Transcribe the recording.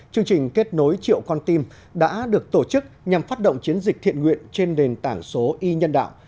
chương trình kết nối triệu con tim đã được tổ chức nhằm phát động chiến dịch thiện nguyện trên nền tảng số y nhân đạo